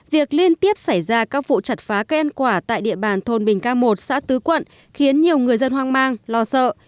việc liên tiếp xảy ra các vụ chặt phá cây ăn quả tại địa bàn thôn bình ca một xã tứ quận khiến nhiều người dân hoang mang lo sợ